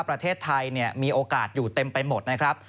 ประเทศไทยมีโอกาสอยู่เต็มไปหมดนะครับ